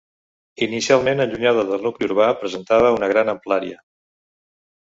Inicialment allunyada del nucli urbà presentava una gran amplària.